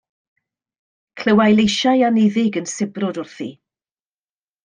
Clywai leisiau anniddig yn sibrwd wrthi.